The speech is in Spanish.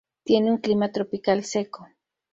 Tiene un clima tropical seco.